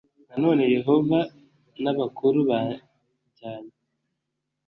Nanone Yehova n ‘abakuru bajyanye